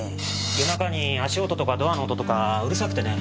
夜中に足音とかドアの音とかうるさくてね。